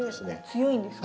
強いんですね。